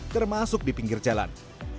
termasuk di pinggir jalan